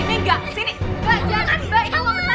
sini gak sini